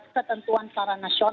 ketentuan secara nasional